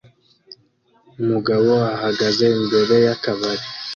Umugabo ahagaze imbere y'akabari